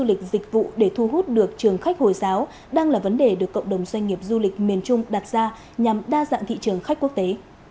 du lịch dịch vụ để thu hút được trường khách hồi giáo đang là vấn đề được cộng đồng doanh nghiệp du lịch miền trung đặt ra nhằm đa dạng thị trường khách quốc tế